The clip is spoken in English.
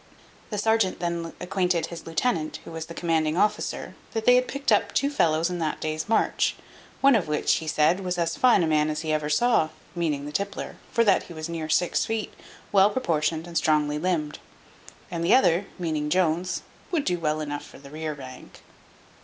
The serjeant then acquainted his lieutenant, who was the commanding officer, that they had picked up two fellows in that day's march, one of which, he said, was as fine a man as ever he saw (meaning the tippler), for that he was near six feet, well proportioned, and strongly limbed; and the other (meaning Jones) would do well enough for the rear rank.